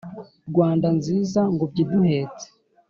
rwanda nziza ngobyi iduhetse